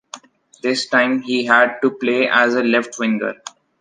This time, he had to play as a left winger.